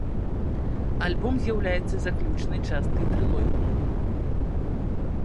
Альбом з'яўляецца заключнай часткай трылогіі.